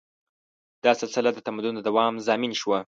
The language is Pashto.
دا سلسله د تمدن د دوام ضامن شوه.